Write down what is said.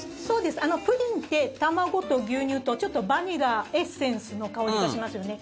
プリンって卵と牛乳とちょっとバニラエッセンスの香りがしますよね。